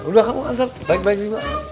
udah kamu antar baik baik juga